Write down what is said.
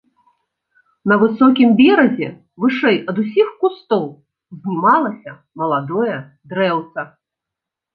На высокім беразе вышэй ад усіх кустоў узнімалася маладое дрэўца.